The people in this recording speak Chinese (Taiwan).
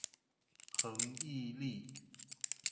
恆毅力